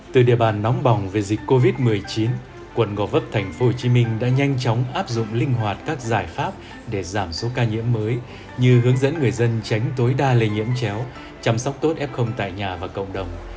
từ địa bàn nóng bỏng về dịch covid một mươi chín quận gò vấp tp hcm đã nhanh chóng áp dụng linh hoạt các giải pháp để giảm số ca nhiễm mới như hướng dẫn người dân tránh tối đa lây nhiễm chéo chăm sóc tốt f tại nhà và cộng đồng